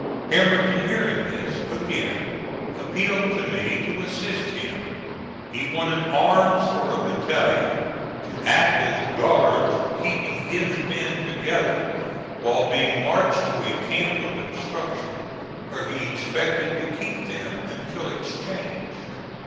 Pemberton hearing this, again appealed to me to assist him. He wanted arms for a battalion, to act as guards in keeping his men together while being marched to a camp of instruction, where he expected to keep them until exchanged.